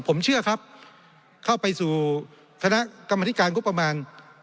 ผมเชื่อครับเข้าไปสู่คณะกรรมธิการงบประมาณ